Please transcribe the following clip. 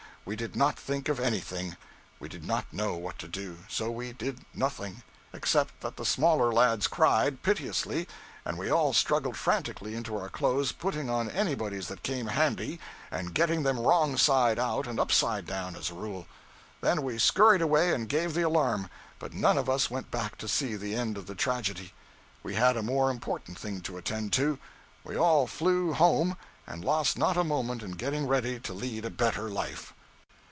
We did not think of anything; we did not know what to do, so we did nothing except that the smaller lads cried, piteously, and we all struggled frantically into our clothes, putting on anybody's that came handy, and getting them wrong side out and upside down, as a rule. Then we scurried away and gave the alarm, but none of us went back to see the end of the tragedy. We had a more important thing to attend to: we all flew home, and lost not a moment in getting ready to lead a better life.